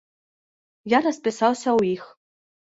Я распісаўся ў іх.